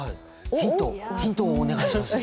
ヒントヒントをお願いします。